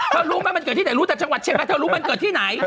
รู้ไหมมันเกิดที่ไหนรู้แต่จังหวัดเชียงใหม่เธอรู้มันเกิดที่ไหน